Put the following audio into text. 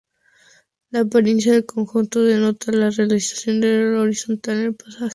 La apariencia del conjunto denota una relación horizontal en el paisaje.